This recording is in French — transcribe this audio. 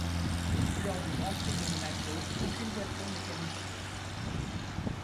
Lors du Grand Prix de Monaco, aucune voiture n'est qualifiée.